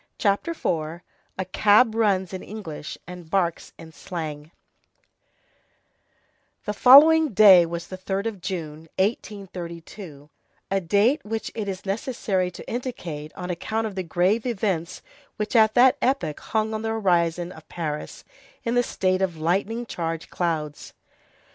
CHAPTER IV—A CAB RUNS IN ENGLISH AND BARKS IN SLANG The following day was the 3d of June, 1832, a date which it is necessary to indicate on account of the grave events which at that epoch hung on the horizon of Paris in the state of lightning charged clouds.